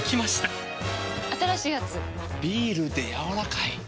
ビールでやわらかい。